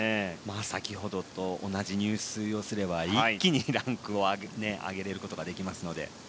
先ほどと同じ入水をすれば一気にランクを上げることができますので。